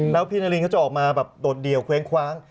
แล้วพี่นารินเขาจะออกมาแบบโดดเดี่ยวเว้งคว้าง